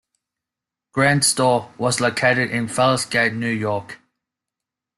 Grant store was located in Vails Gate, New York.